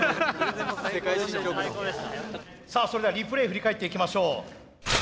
さあそれではリプレー振り返っていきましょう。